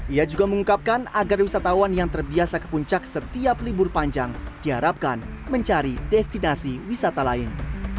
ia juga mengungkapkan agar wisatawan yang terbiasa ke puncak setiap libur panjang diharapkan mencari destinasi wisata lain